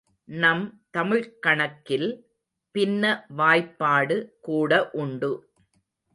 நம் தமிழ்க்கணக்கில் பின்ன வாய்ப்பாடு கூட உண்டு.